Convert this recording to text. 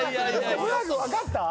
徳永君分かった？